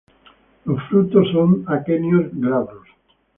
Los frutos son aquenios glabros.